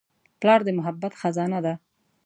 پلار د محبت خزانه ده.